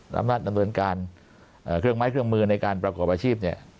อำนาจดำเนินการเครื่องไม้เครื่องมือในการประกอบอาชีพเนี่ย